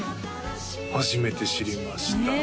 初めて知りましたねえ